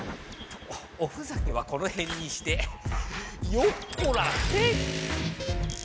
おふざけはこのへんにしてよっこらせ！